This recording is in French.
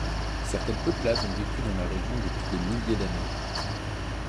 Certaines peuplades ont vécu dans la région depuis des milliers d'années.